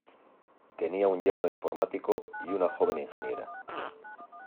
Tenía un yerno informático y una joven ingeniera.